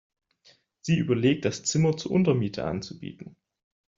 Sie überlegt, das Zimmer zur Untermiete anzubieten.